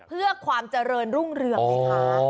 เพื่อความเจริญรุ่งเรืองไงคะ